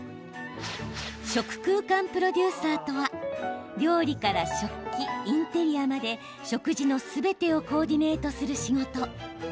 食空間プロデューサーとは料理から食器、インテリアまで食事のすべてをコーディネートする仕事。